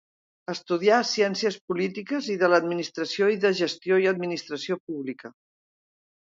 Estudià Ciències Polítiques i de l'Administració i de Gestió i Administració Pública.